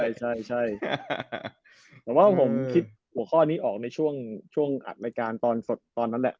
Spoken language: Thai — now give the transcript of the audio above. ใช่ใช่แต่ว่าผมคิดหัวข้อนี้ออกในช่วงอัดรายการตอนสดตอนนั้นแหละ